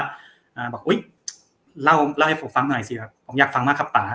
อ่าบอกอุ้ยเล่าเล่าให้ผมฟังหน่อยสิครับผมอยากฟังมากครับป่า